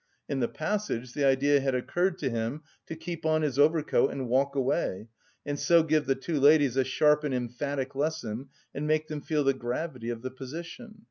In the passage the idea had occurred to him to keep on his overcoat and walk away, and so give the two ladies a sharp and emphatic lesson and make them feel the gravity of the position.